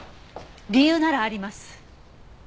理由ならあります。